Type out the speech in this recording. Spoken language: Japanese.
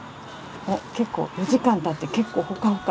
お結構４時間たって結構ほかほか。